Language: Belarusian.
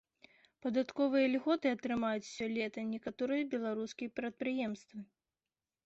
Падатковыя льготы атрымаюць сёлета некаторыя беларускія прадпрыемствы.